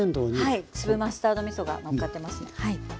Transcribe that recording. はい粒マスタードみそがのっかってます。